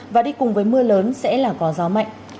và đi cùng với mưa lớn sẽ là có gió mạnh